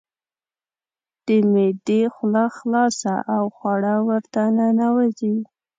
د معدې خوله خلاصه او خواړه ورته ننوزي.